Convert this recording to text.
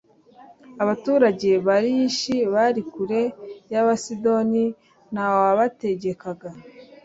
abaturage b'i layishi bari kure y'abasidoni, ntawabategekaga